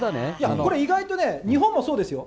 これ、意外とね、日本もそうですよ。